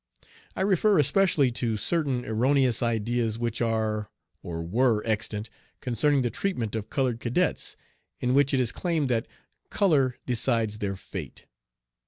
I refer especially to certain erroneous ideas which are or were extant concerning the treatment of colored cadets, in which it is claimed that color decides their fate.